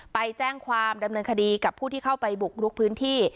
ไปแจ้งความดำเนินคดีกับผู้ที่เข้าไปบุกลุกพื้นที่